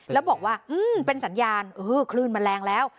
แล้วบอกว่าเป็นสัญญาณคลื่นมันแรงแล้ว